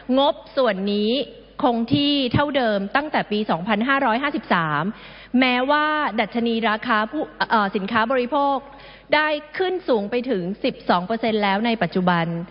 งบส่วนนี้คงที่เท่าเดิมตั้งแต่ปี๒๕๕๓แม้ว่าดัชนีราคาสินค้าบริโภคได้ขึ้นสูงไปถึง๑๒แล้วในปัจจุบัน